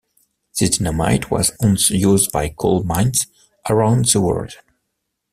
This dynamite was once used by coal mines around the world.